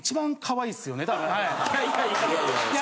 いやいや。